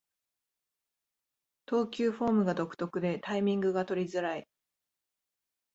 投球フォームが独特でタイミングが取りづらい